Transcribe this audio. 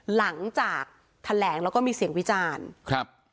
หลังจากแถลงแล้วก็มีเสียงวิจารณ์ครับ